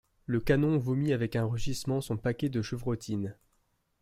Le canon vomit avec un rugissement son paquet de chevrotines.